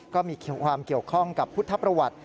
ก็มีความเกี่ยวข้องกับพุทธประวัติ